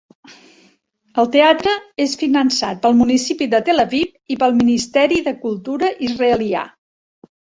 El teatre és finançat pel municipi de Tel Aviv i pel Ministeri de Cultura israelià.